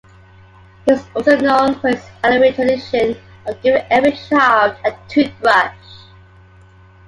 He was also known for his Halloween tradition of giving every child a toothbrush.